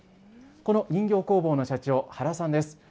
この人形工房の社長、原さんです。